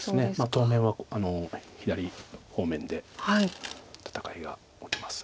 当面は左方面で戦いが起きます。